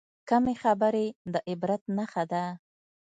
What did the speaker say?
کمې خبرې، د عبرت نښه ده.